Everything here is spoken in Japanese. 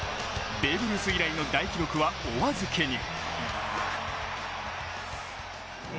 ベーブ・ルース以来の大記録はお預けに。